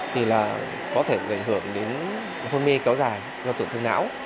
thì có thể gây ảnh hưởng đến hôn mê kéo dài do tưởng thương não